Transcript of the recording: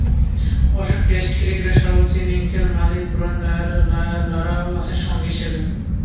অবশ্য টেস্ট ক্রিকেটের সর্বোচ্চ ইনিংসের মালিক ব্রায়ান লারাও আছে সঙ্গী হিসেবে।